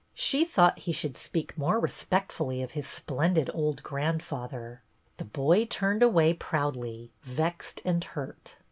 She thought he should speak more respect fully of his splendid old grandfather. The boy turned away proudly, vexed and hurt.